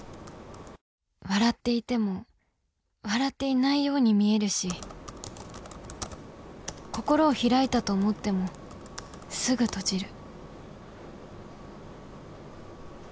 笑っていても笑っていないように見えるし心を開いたと思ってもすぐ閉じる